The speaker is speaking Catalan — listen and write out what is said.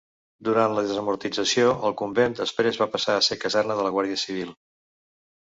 Durant la desamortització el convent després va passar a ser caserna de la Guàrdia Civil.